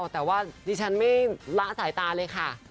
แต่ว่าดิฉันไม่ละสายตาเลยค่ะ